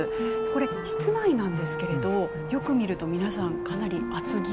これ室内なんですけれどよく見ると皆さんかなり厚着。